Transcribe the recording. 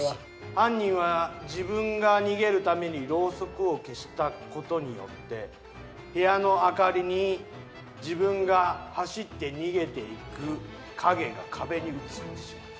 犯人は自分が逃げるためにろうそくを消した事によって部屋の明かりに自分が走って逃げていく影が壁に映ってしまった。